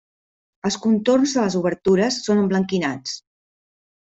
Els contorns de les obertures són emblanquinats.